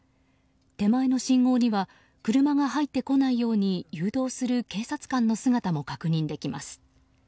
手前の信号には車が入ってこないように誘導する警察官の姿も確認できます。